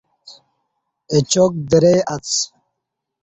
اچاک درئ اڅ۔